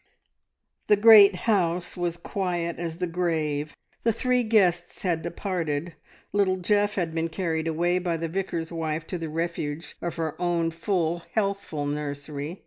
The great house was quiet as the grave; the three guests had departed, little Geoff had been carried away by the vicar's wife to the refuge of her own full, healthful nursery.